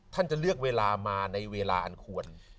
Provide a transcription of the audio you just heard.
จะเลือกเวลามาในเวลาอันควร